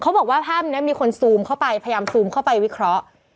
บอกว่าภาพนี้มีคนซูมเข้าไปพยายามซูมเข้าไปวิเคราะห์